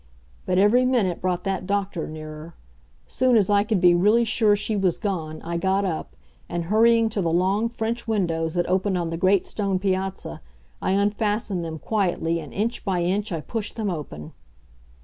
But every minute brought that doctor nearer. Soon as I could be really sure she was gone, I got up, and, hurrying to the long French windows that opened on the great stone piazza, I unfastened them quietly, and inch by inch I pushed them open.